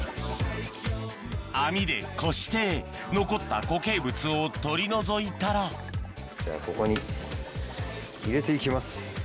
網でこして残った固形物を取り除いたらここに入れて行きます。